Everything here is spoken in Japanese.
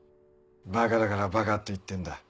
バカだからバカって言ってんだ。